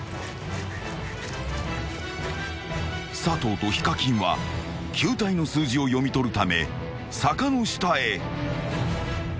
［佐藤とＨＩＫＡＫＩＮは球体の数字を読み取るため坂の下へ］